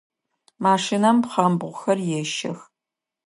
Машинэм пхъэмбгъухэр ещэх.